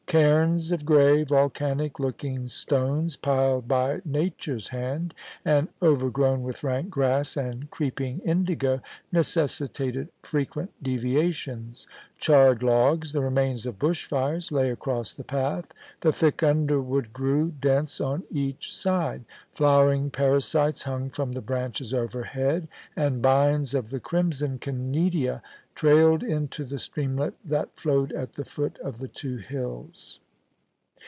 Cairns of grey, volcanic looking stones, piled by Nature's hand, and overgrown with rank grass and creep ing indigo, necessitated frequent deviations ; charred logs, the remains of bush fires, lay across the path ; the thick underwood grew dense on each side ; flowering parasites hung from the branches overhead, and bines of the crimson Kennedia trailed into the streamlet that flowed at the foot of the two hills.